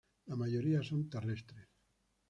La mayoría son terrestres.